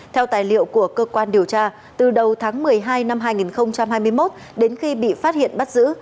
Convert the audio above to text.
theo tài liệu của cơ quan điều tra từ đầu tháng một mươi hai năm hai nghìn hai mươi một đến khi bị phát hiện bắt giữ